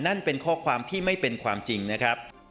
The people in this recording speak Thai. นั่นเป็นข้อความที่ไม่เป็นความจริงนะครับ